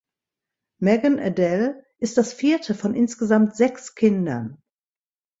Megan Adelle ist das vierte von insgesamt sechs Kindern.